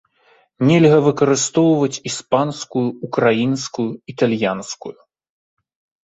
Нельга выкарыстоўваць іспанскую, украінскую, італьянскую.